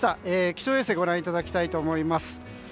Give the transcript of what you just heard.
気象衛星をご覧いただきたいと思います。